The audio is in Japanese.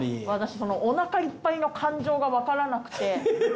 私そのおなかいっぱいの感情が分からなくて。